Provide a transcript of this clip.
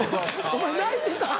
お前泣いてたん？